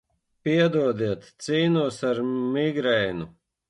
Piedodiet, cīnos ar migrēnu.